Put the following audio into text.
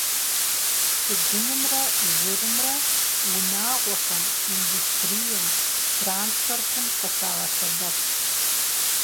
Шыгунымрэ жырымрэ унагъуэхэм, индустрием, транспортым къыщагъэсэбэп.